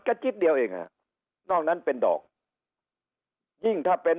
จิ๊บเดียวเองฮะนอกนั้นเป็นดอกยิ่งถ้าเป็น